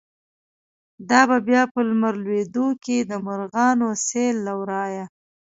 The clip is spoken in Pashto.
دابه بیا په لمر لویدوکی، دمرغانو سیل له ورایه”